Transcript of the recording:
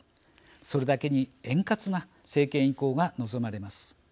それだけに円滑な政権移行が望まれます。